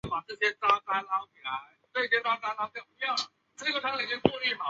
快车停靠的车站多数是端点站或主要转车点。